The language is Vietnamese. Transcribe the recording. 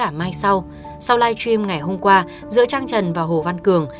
và đến cả mai sau sau live stream ngày hôm qua giữa trang trần và hồ văn cường